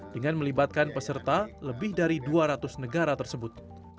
dengan melibatkan peserta lebih dari dua ratus negara tersebut